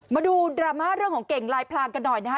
มาดูดราม่าเรื่องของเก่งลายพลางกันหน่อยนะฮะ